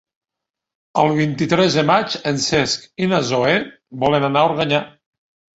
El vint-i-tres de maig en Cesc i na Zoè volen anar a Organyà.